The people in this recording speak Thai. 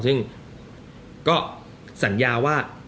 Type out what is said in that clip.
ซึ่งก็สัญญาว่า